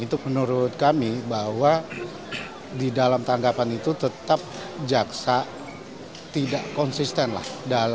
itu menurut kami bahwa di dalam tanggapan itu tetap jaksa tidak konsisten lah